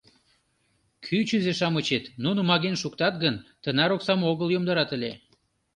«Кӱчызӧ-шамычет» нуным аген шуктат гын, тынар оксам огыл йомдарат ыле.